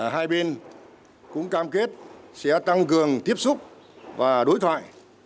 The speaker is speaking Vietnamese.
hai bên cũng cam kết sẽ tăng cường tiếp xúc và đối thoại